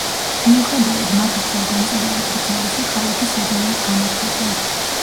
მიუხედავად მათი თავგანწირული ბრძოლისა, ქალაქი საბოლოოდ განადგურდა.